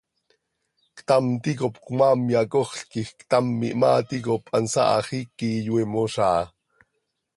Ctam ticop cmaam yacoxl quij ctam ihmaa ticop hansaa hax iiqui iyoiimoz áa.